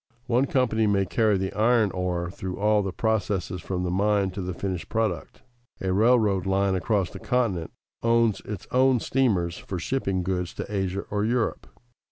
One company may carry the iron ore through all the processes from the mine to the finished product. A railroad line across the continent owns its own steamers for shipping goods to Asia or Europe.